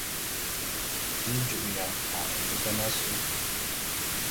Bi ju'uya a mbetan asôé.